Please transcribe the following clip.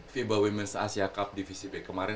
vibawemes asia cup divisi b kemarin